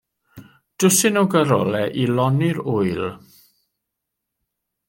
Dwsin o garolau i lonni'r Ŵyl.